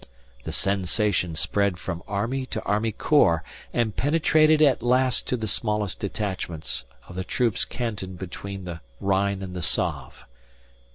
The sensation spread from army to army corps, and penetrated at last to the smallest detachments of the troops cantoned between the Rhine and the Save.